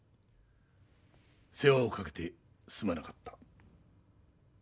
世話をかけてすまなかった。